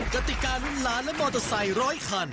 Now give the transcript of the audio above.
กติการุ่นล้านและมอเตอร์ไซค์๑๐๐คัน